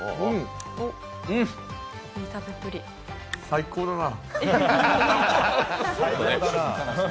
最高だな。